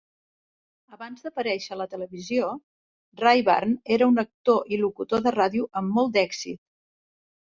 Abans d'aparèixer a la televisió, Rayburn era un actor i locutor de ràdio amb molt d'èxit.